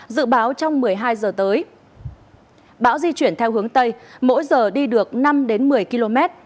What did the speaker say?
dự báo trong một mươi hai giờ tới bão di chuyển theo hướng tây mỗi giờ đi được năm đến một mươi km